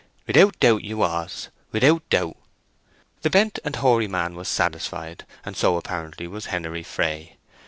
"'Ithout doubt you was—'ithout doubt." The bent and hoary man was satisfied, and so apparently was Henery Fray.